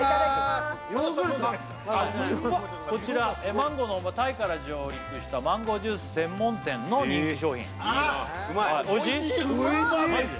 マンゴーの本場タイから上陸したマンゴージュース専門店の人気商品あっ！